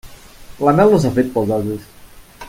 La mel no s'ha fet pels ases.